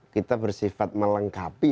kita bersifat melengkapi